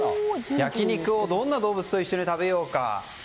焼き肉をどんな動物と一緒に食べようか。